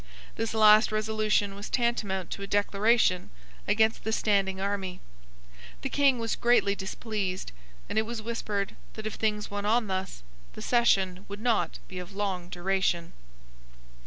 This last resolution was tantamount to a declaration against the standing army. The King was greatly displeased; and it was whispered that, if things went on thus, the session would not be of long duration.